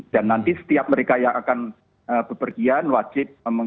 dan nanti setiap mereka yang akan berpergian wajib